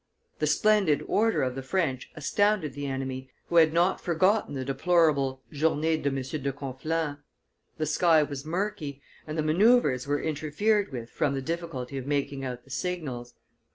The splendid order of the French astounded the enemy, who had not forgotten the deplorable Journee de M. de Conflans. The sky was murky, and the manoeuvres were interfered with from the difficulty of making out the signals.